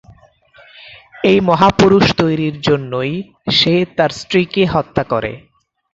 এই মহাপুরুষ তৈরির জন্যই সে তার স্ত্রীকে হত্যা করে।